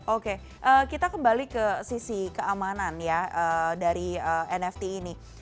oke kita kembali ke sisi keamanan ya dari nft ini